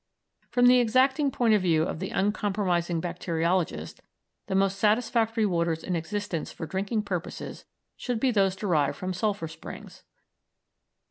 From the exacting point of view of the uncompromising bacteriologist the most satisfactory waters in existence for drinking purposes should be those derived from sulphur springs.